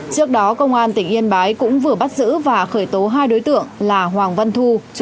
trước đó công an tỉnh yên bái cũng vừa bắt giữ và khởi tố hai đối tượng là hoàng văn thu chú tại xã kim phú